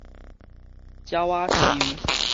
鳥岫